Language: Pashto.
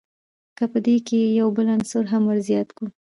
که په دې کښي یو بل عنصر هم ور زیات کو.